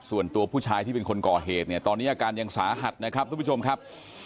ส่วนตัวผู้ชายที่เป็นคนก่อเหตุเนี่ยตอนนี้อาการยังสาหัสนะครับทุกผู้ชมครับ